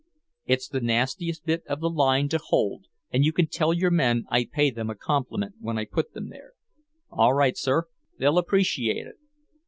"It's the nastiest bit of the line to hold, and you can tell your men I pay them a compliment when I put them there." "All right, sir. They'll appreciate it."